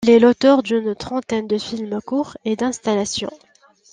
Il est l'auteur d'une trentaine de films courts et d'installations.